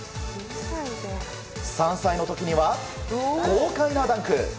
３歳の時には、豪快なダンク。